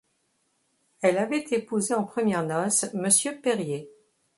Elle avait épousé en premières noces Monsieur Perrier.